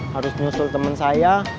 harus nyusul temen saya